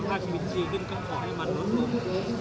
ก็ขอให้มันบลดลง